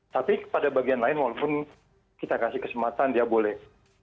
tapi pada bagian lain walaupun kita kasih kesempatan dia boleh